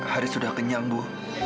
haris sudah kenyang bu